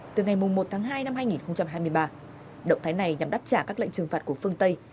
từ ngày một tháng hai năm hai nghìn hai mươi ba động thái này nhằm đáp trả các lệnh trừng phạt của phương tây